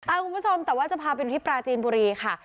คุณผู้ชมแต่ว่าจะพาไปดูที่ปราจีนบุรีค่ะ